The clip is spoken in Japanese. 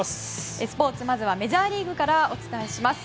スポーツまずはメジャーリーグからお伝えします。